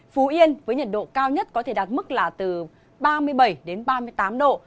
phú yên với nhiệt độ cao nhất có thể đạt mức là từ ba mươi bảy đến ba mươi tám độ